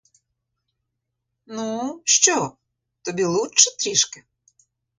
Ну, що: тобі лучче трішки?